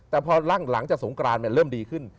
แต่พอหลังจากสงกรานเริ่มดีขึ้น